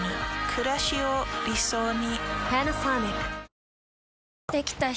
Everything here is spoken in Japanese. くらしを理想に。